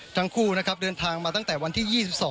ทั้งคู่นะครับเดินทางมาตั้งแต่วันที่๒๒